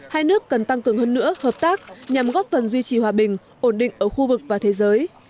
hai nước cần tăng cường hơn nữa hợp tác nhằm góp phần duy trì hòa bình ổn định ở khu vực và thế giới